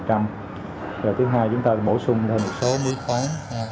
rồi thứ hai chúng ta bổ sung thêm một số muối khoáng